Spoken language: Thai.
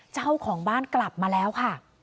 เจ้าของบ้านกลับมาแล้วค่ะ